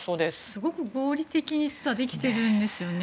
すごく合理的に実はできてるんですよね。